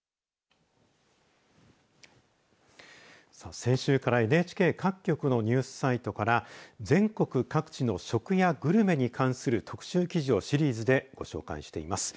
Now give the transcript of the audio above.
先週からＮＨＫ各局のニュースサイトから全国各地の食やグルメに関する特集記事をシリーズで、ご紹介しています。